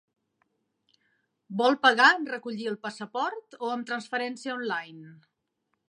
Vol pagar en recollir el passaport o amb transferència online?